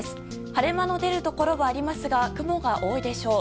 晴れ間の出るところはありますが雲が多いでしょう。